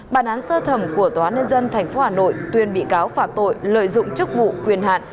bản án sơ thẩm của tòa nhân dân tp hà nội tuyên bị cáo phạm tội lợi dụng chức vụ quyền hạn